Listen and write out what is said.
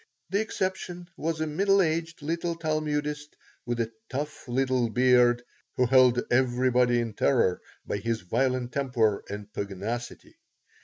The exception was a middle aged little Talmudist with a tough little beard who held everybody in terror by his violent temper and pugnacity.